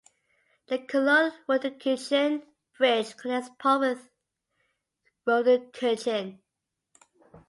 The Cologne Rodenkirchen Bridge connects Poll with Rodenkirchen.